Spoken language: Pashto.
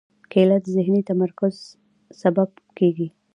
کېله د ذهني تمرکز سبب کېږي.